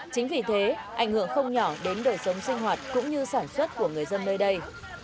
chính vì thế ảnh hưởng không nhỏ đến đời sống sinh hoạt cũng như sản xuất của người dân nơi đây